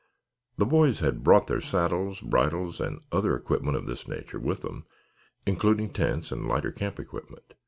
The boys had brought their saddles, bridles and other equipment of this nature with them, including tents and lighter camp equipment.